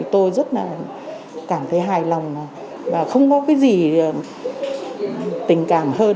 tôi rất là cảm thấy hài lòng và không có cái gì tình cảm hơn